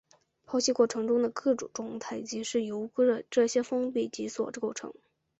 剖析过程中的各种状态即是由这些封闭集所构成。